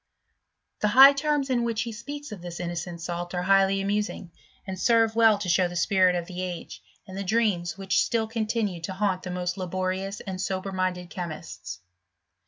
The high terms in which he speaks of this innocent salt are highly amusing, and serve well to show the spirit of the age, and the dreams which still continued to haunt the most laborious and sober minded chemists.